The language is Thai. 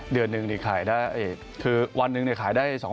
เดือนหนึ่งคลายได้คือวันนึงคลายได้๒๐๐๐๐